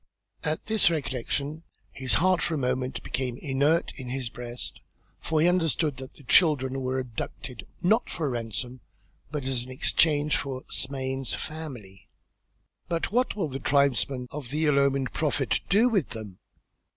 At this recollection his heart for a moment became inert in his breast for he understood that the children were abducted not for a ransom but as an exchange for Smain's family. "But what will the tribesmen of the ill omened prophet do with them?